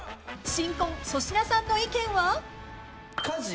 ［新婚粗品さんの意見は？］